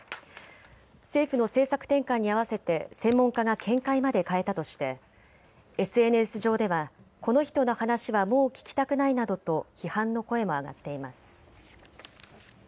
政府の政策転換に併せて専門家が見解まで変えたとしてＳＮＳ上では、この人の話はもう聞きたくないなどと批判の声も上がっています。